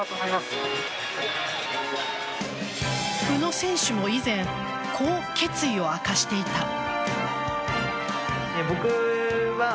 宇野選手も以前こう決意を明かしていた。